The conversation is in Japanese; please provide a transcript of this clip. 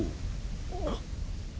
あっ。